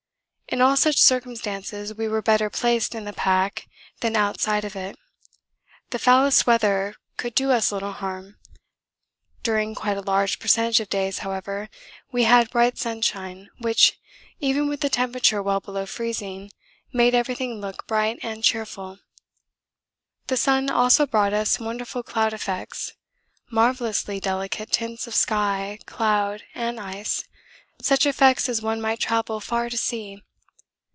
In all such circumstances we were better placed in the pack than outside of it. The foulest weather could do us little harm. During quite a large percentage of days, however, we had bright sunshine, which, even with the temperature well below freezing, made everything look bright and cheerful. The sun also brought us wonderful cloud effects, marvellously delicate tints of sky, cloud, and ice, such effects as one might travel far to see.